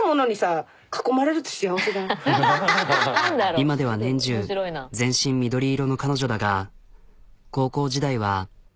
今では年中全身緑色の彼女だが高校時代は。